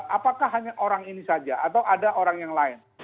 apakah hanya orang ini saja atau ada orang yang lain